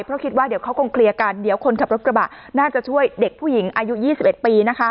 เพราะคิดว่าเดี๋ยวเขาคงเคลียร์กันเดี๋ยวคนขับรถกระบะน่าจะช่วยเด็กผู้หญิงอายุ๒๑ปี